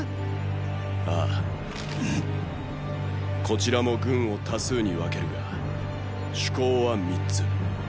こちらも軍を多数に分けるが“主攻”は三つ。